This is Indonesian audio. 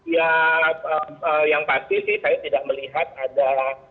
ya yang pasti sih saya tidak melihat ada